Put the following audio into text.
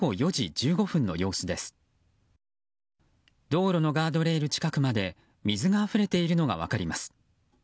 道路のガードレール近くまで水があふれているのが分かります。